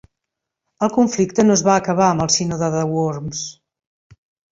El conflicte no es va acabar amb el Sínode de Worms.